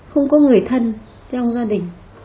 không có người thân trong gia đình